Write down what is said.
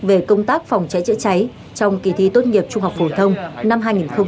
về công tác phòng cháy chữa cháy trong kỳ thi tốt nghiệp trung học phổ thông năm hai nghìn hai mươi